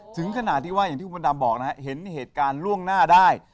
ถึงขนาดที่ว่าเห็นเหตุการณ์ล่วงหน้าได้